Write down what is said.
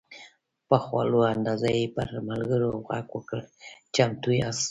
په خواږه انداز یې پر ملګرو غږ وکړ: "چمتو یاست؟"